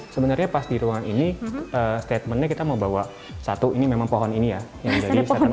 sebenarnya pas di ruang ini statementnya kita mau bawa satu ini memang pohon ini ya jadi